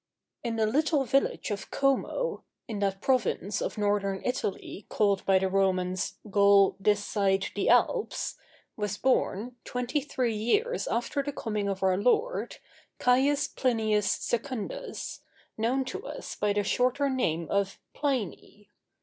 In the little village of Como, in that province of Northern Italy called by the Romans "Gaul this side the Alps," was born, twenty three years after the coming of our Lord, Caius Plinius Secundus, known to us by the shorter name of "Pliny."